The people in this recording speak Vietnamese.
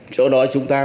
chỗ đó chúng ta